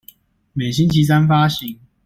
每星期三發行